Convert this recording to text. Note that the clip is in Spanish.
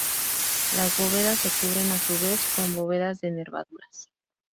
Las bóvedas se cubren a su vez con bóvedas de nervaduras.